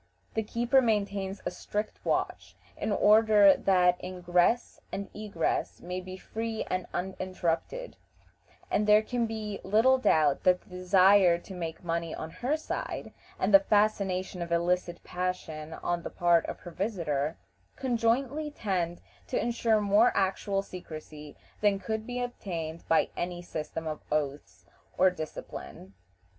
The keeper maintains a strict watch, in order that ingress and egress may be free and uninterrupted, and there can be little doubt that the desire to make money on her side, and the fascination of illicit passion on the part of her visitors, conjointly tend to insure more actual secrecy than could be obtained by any system of oaths or discipline.